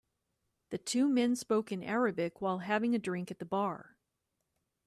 Two men spoke in Arabic while having a drink at the bar.